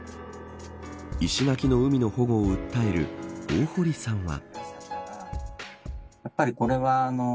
石垣の海の保護を訴える大堀さんは。